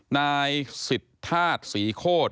นายสิทธาตุศรีโคตร